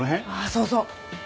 そうそう。